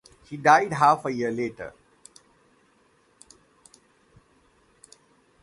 He died half a year later.